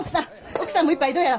奥さんも一杯どうや？